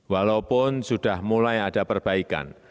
walaupun sudah mulai ada perbaikan